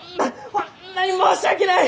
ホンマに申し訳ない！